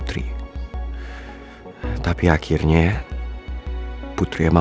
kayaknya lo udah tau deh